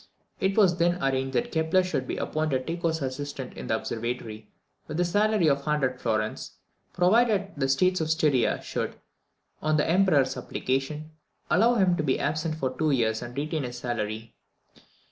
It was then arranged that Kepler should be appointed Tycho's assistant in the observatory, with a salary of 100 florins, provided the States of Styria should, on the Emperor's application, allow him to be absent for two years and retain his salary.